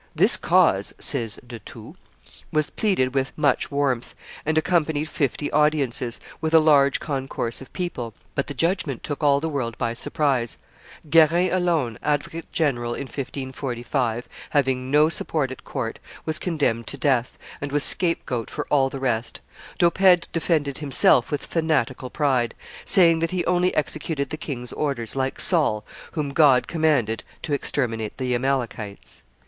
"This cause," says De Thou, "was pleaded with much warmth, and occupied fifty audiences, with a large concourse of people, but the judgment took all the world by surprise. Guerin alone, advocate general in 1545, having no support at court, was condemned to death, and was scape goat for all the rest. D'Oppede defended himself with fanatical pride, saying that he only executed the king's orders, like Saul, whom God commanded to exterminate the Amalekites.